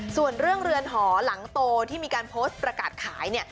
ส่วนเรื่องเรือนหอหลังโตที่มีการโพสต์ประกาศขาย